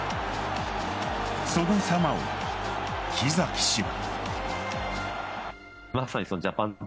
その様を木崎氏は。